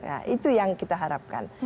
nah itu yang kita harapkan